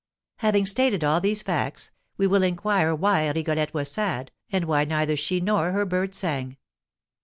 Having stated all these facts, we will inquire why Rigolette was sad, and why neither she nor her birds sang.